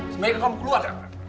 semoga kamu keluar